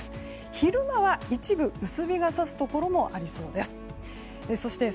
昼間は一部薄日が差すところもありそうです。